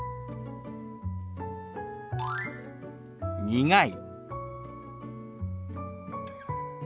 「苦い」。